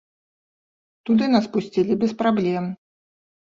Туды нас пусцілі без праблем.